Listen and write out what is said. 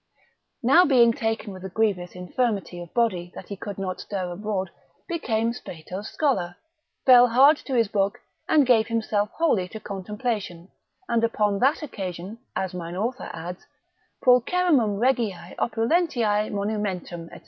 now being taken with a grievous infirmity of body that he could not stir abroad, became Strato's scholar, fell hard to his book, and gave himself wholly to contemplation, and upon that occasion (as mine author adds), pulcherrimum regiae opulentiae monumentum, &c.